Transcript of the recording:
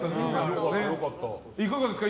いかがですか？